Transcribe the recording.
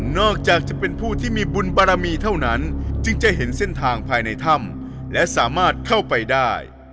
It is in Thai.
อกจากจะเป็นผู้ที่มีบุญบารมีเท่านั้นจึงจะเห็นเส้นทางภายในถ้ำและสามารถเข้าไปได้